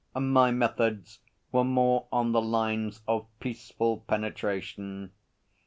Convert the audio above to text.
My methods were more on the lines of peaceful penetration.